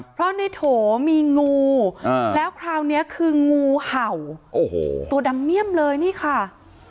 เพราะในโถมีงูแล้วคราวนี้คืองูเห่าโอ้โหตัวดำเมี่ยมเลยนี่ค่ะ